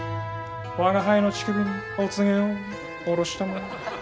我が輩の乳首にお告げを降ろしたまえ。